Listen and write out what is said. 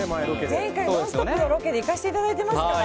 前回「ノンストップ！」のロケで行かせていただいてますから。